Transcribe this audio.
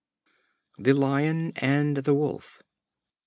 The Lion and the Wolf.